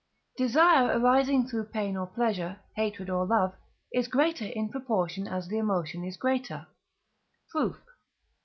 Desire arising through pain or pleasure, hatred or love, is greater in proportion as the emotion is greater. Proof.